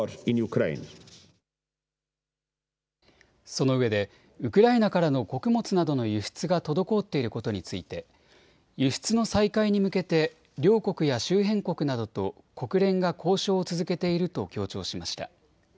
そのうえでウクライナからの穀物などの輸出が滞っていることについて輸出の再開に向けて両国や周辺国などと国連が交渉を続けていると強調しました。